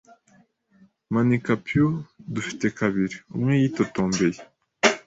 “Manika, Pew, dufite kabiri!” umwe yitotombeye.